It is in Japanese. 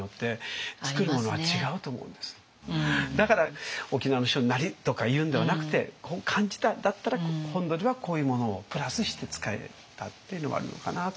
だから「沖縄の人なり」とかいうんではなくてこう感じたんだったら本土ではこういうものをプラスして使えたっていうのもあるのかなとか。